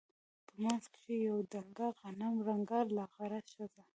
په منځ کښې يوه دنګه غنم رنګه لغړه ښځه.